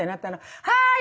「はい！